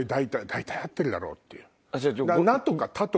大体合ってるだろう！っていう。